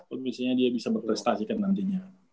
permisiannya dia bisa berprestasi kan nantinya